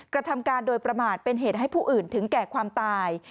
กระทำการโดยประมาทเป็นเหตุให้ผู้อื่นถึงแก่ความตาย